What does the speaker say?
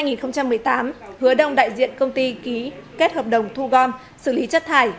năm hai nghìn một mươi tám hứa đông đại diện công ty ký kết hợp đồng thu gom xử lý chất thải